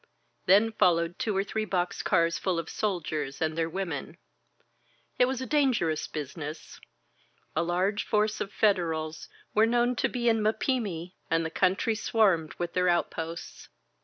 Then followed two or three box cars full of soldiers and their women. It was a dangerous business. A large force of Federals were known to be in Mapimi, and the country swarmed with their outposts.